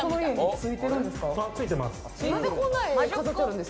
ついてます。